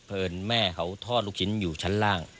แม่เขาทอดลูกชิ้นอยู่ชั้นล่าง